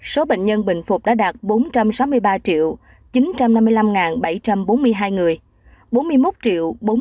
số bệnh nhân bình phục đã đạt bốn trăm sáu mươi ba triệu chín trăm năm mươi năm bảy trăm bốn mươi hai người